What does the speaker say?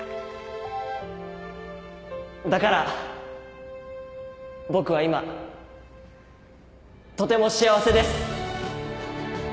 だから僕は今とても幸せです。